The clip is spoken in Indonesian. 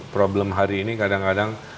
problem hari ini kadang kadang